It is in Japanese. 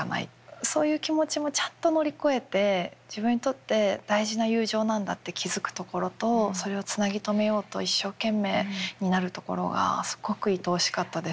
そういう気持ちもちゃんと乗り越えて自分にとって大事な友情なんだって気付くところとそれをつなぎ止めようと一生懸命になるところがすごくいとおしかったです。